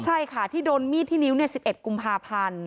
ใช่ค่ะที่โดนมีดที่นิ้ว๑๑กุมภาพันธ์